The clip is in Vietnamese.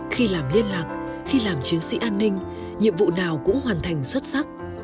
khi làm liên lạc khi làm chiến sĩ an ninh nhiệm vụ nào cũng hoàn thành xuất sắc